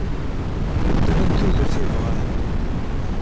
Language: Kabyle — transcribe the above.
Ddren tudert i bɣan.